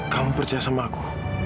kamu percaya sama aku